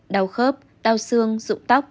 đau khớp đau xương rụng tóc